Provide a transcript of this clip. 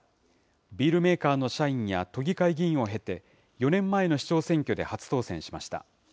ビールメーカーの社員や都議会議員を経て、４年前の市長選挙で初当選しました。